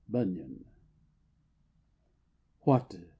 BUNYAN. What!